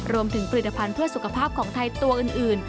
รวมถึงผลิตภัณฑ์เพื่อสุขภาพของไทยตัวอื่น